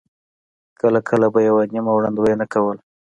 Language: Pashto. کله کله به یې یوه نیمه وړاندوینه کوله.